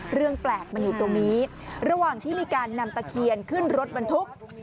เรื่องแปลกมันอยู่ตรงนี้ระหว่างที่มีการนำตะเคียนขึ้นรถบรรทุก